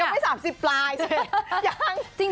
ยังไม่๓๐ปลายใช่ยัง